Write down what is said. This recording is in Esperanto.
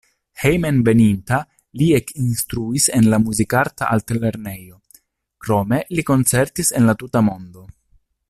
Hejmenveninta li ekinstruis en la Muzikarta Altlernejo, krome li koncertis en la tuta mondo.